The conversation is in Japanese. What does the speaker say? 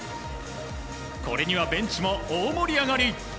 これにはベンチも大盛り上がり。